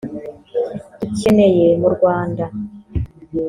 dukeneye mu Rwanda